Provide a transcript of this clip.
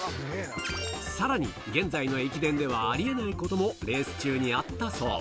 さらに、現在の駅伝ではありえないこともレース中にあったそう。